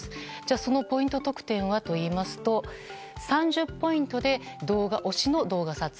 そのポイント特典はといいますと３０ポイントで推しの動画撮影。